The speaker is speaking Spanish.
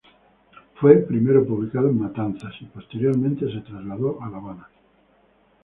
Fue primero publicado en Matanzas y posteriormente se trasladó a La Habana.